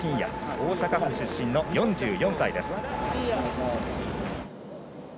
大阪府出身の４４歳です。